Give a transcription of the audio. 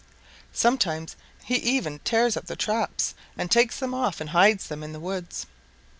Sometimes he even tears up the traps and takes them off and hides them in the woods.